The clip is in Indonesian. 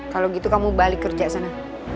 kalau gitu kamu balik kerja sana